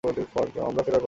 আমরা ফেরার পথে।